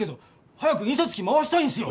早く印刷機回したいんすよ！